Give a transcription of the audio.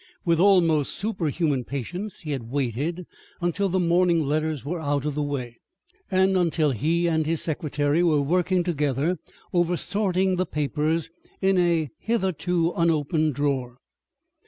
With almost superhuman patience he had waited until the morning letters were out of the way, and until he and his secretary were working together over sorting the papers in a hitherto unopened drawer.